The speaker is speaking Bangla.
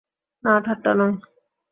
না, ঠাট্টা নয়।